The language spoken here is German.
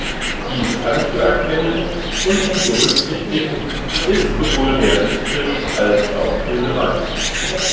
Dies anzuerkennen und zu berücksichtigen ist sowohl realistisch als auch relevant.